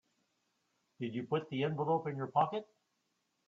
And did you put the envelope in your pocket?